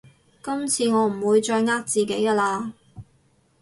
今次我唔會再呃自己㗎喇